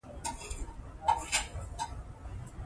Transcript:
ـ چاړه چې د سرو زرو شي څوک يې په ګېډه نه منډي.